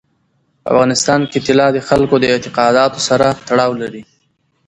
په افغانستان کې طلا د خلکو د اعتقاداتو سره تړاو لري.